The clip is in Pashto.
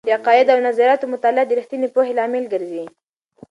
د عقائد او نظریاتو مطالعه د رښتینې پوهې لامل ګرځي.